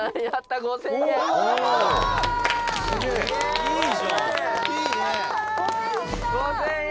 「５０００円だ！」